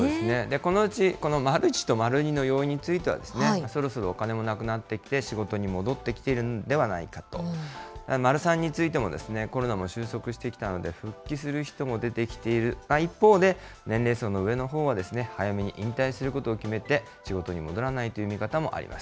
このうち、このまる１とまる２の要因については、そろそろお金もなくなってきて、仕事に戻ってきているのではないかと、まる３についても、コロナも収束してきたので復帰する人も出てきている、一方で、年齢層の上のほうは早めに引退することを決めて、仕事に戻らないという見方もあります。